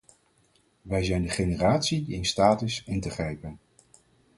Wij zijn de generatie die in staat is in te grijpen.